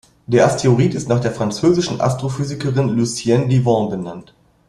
Der Asteroid ist nach der französischen Astrophysikerin Lucienne Divan benannt.